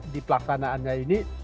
di pelaksanaannya ini